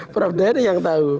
prof denny yang tau